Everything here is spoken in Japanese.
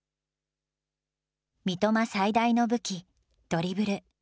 三笘最大の武器、ドリブル。